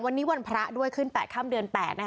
วันนี้วันพระด้วยขึ้น๘ค่ำเดือน๘นะคะ